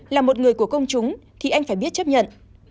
là một người của công chúng thì anh phải biết chấp nhận